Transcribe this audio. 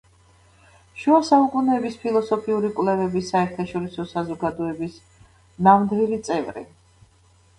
შუა საუკუნეების ფილოსოფიური კვლევების საერთაშორისო საზოგადოების ნამდვილი წევრი.